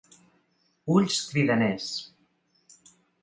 Ulls cridaners.